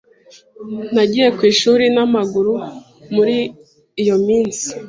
Nagiye ku ishuri n'amaguru muri iyo minsi.